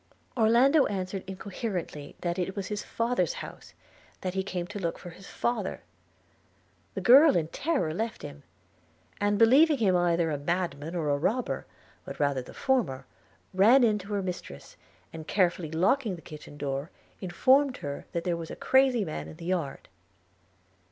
Orlando answered incoherently that it was his father's house – that he came to look for his father. – The girl in terror left him; and, believing him either a madman or a robber, but rather the former, ran in to her mistress, and, carefully locking the kitchen door, informed her that there was a crazy man in the yard.